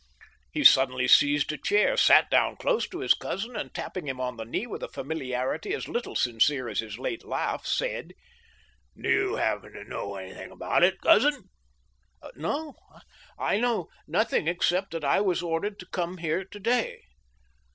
He suddenly seized a chair, sat down close to his cousin, and, tapping him on the knee with a familiarity as little sincere as his late laugh, said :•Do you happen to know anything about it, cousin ?"" No ; I know nothing except that I was ordered to come here to day."